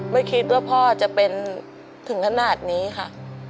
ไม่คิดว่าพ่อจะเป็นถึงขนาดนี้ค่ะ